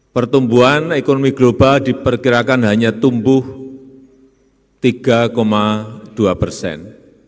pertumbuhan ekonomi global diperkirakan hanya tumbuh tiga dua persen